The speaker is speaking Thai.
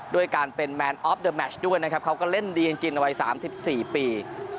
ด้วยการเป็นแมนออฟเดอร์แมชด้วยนะครับเขาก็เล่นดีจริงเอาไว้สามสิบสี่ปี